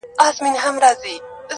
چي ته به يې په کومو صحفو، قتل روا کي.